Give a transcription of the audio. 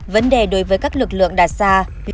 vấn đề đối với các lực lượng đặt ra